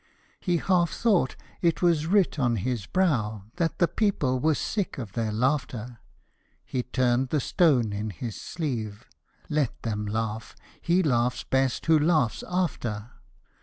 He half thought it was writ on his brow, tliat the people were sick of their laughter ; He turned the stone in his sleeve :' Let them laugh ; he laughs best who laughs after.'